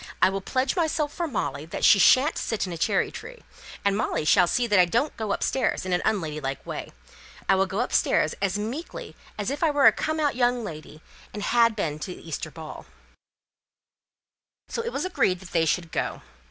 I will pledge myself for Molly that she shan't sit in a cherry tree; and Molly shall see that I don't go upstairs in an unladylike way. I will go upstairs as meekly as if I were a come out young lady, and had been to the Easter ball." So it was agreed that they should go.